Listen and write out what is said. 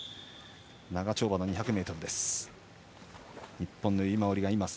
長丁場の２００ｍ。